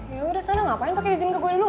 ya udah sana ngapain pake izin ke gue dulu